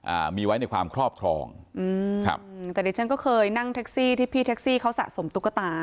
อ่ามีไว้ในความครอบครองอืมครับอืมแต่ดิฉันก็เคยนั่งแท็กซี่ที่พี่แท็กซี่เขาสะสมตุ๊กตา